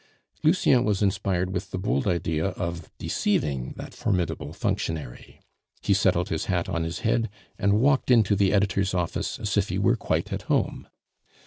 Lucien was inspired with the bold idea of deceiving that formidable functionary. He settled his hat on his head, and walked into the editor's office as if he were quite at home.